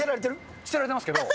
着せられていますけど。